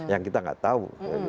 yang kita nggak tahu